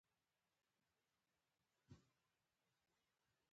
په خټو کې په ښویېدو پاس پل ته وختم.